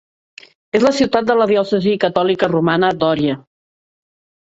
És la ciutat de la diòcesi catòlica romana d'Oria.